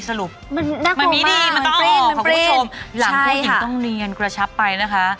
สรุปมันไม่ดีมันต้องออกค่ะคุณผู้ชมหลังผู้หญิงต้องเนียนกระชับไปนะคะ